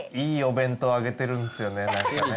いいお弁当上げてるんですよね。